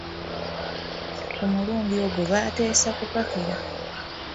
Ku mulindi ogwo baateesa kupakira